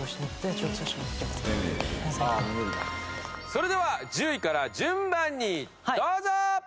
それでは１０位から順番にどうぞ！